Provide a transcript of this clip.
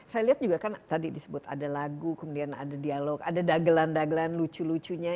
saya lihat juga kan tadi disebut ada lagu kemudian ada dialog ada dagelan dagelan lucu lucunya